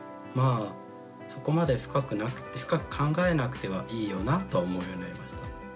あそこまで深く考えなくてもいいよなとは思うようになりました。